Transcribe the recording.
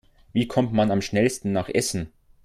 Wie kommt man am schnellsten nach Essen?